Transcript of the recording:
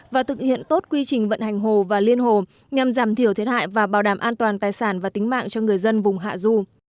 và thực hiện tốt quy trình vận hành hồ và liên hồ nhằm giảm thiểu thiệt hại và bảo đảm an toàn tài sản và tính mạng cho người dân vùng hạ du